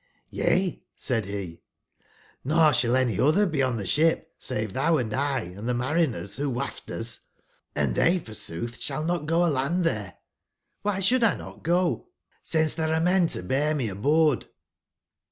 "j^''Y^^/' said he, 1 nor shall any other be on the ship save thou and t, & the mariners who waft us ;& they forsooth shall not go aland there, ^by sbould notlgo, since 38 there are men to bear me aboard